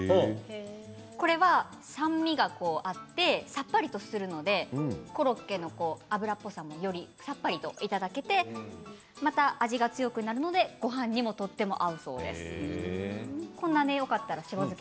これは酸味があってさっぱりとするのでコロッケの油っぽさもよりさっぱりといただけてまた味も強くなるのでごはんにもとっても合うそうです。